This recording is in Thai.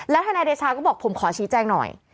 แล้วฐานายเดชาก็บอกผมขอชี้แจ้งหน่อย